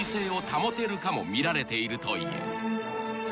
保てるかも見られているという］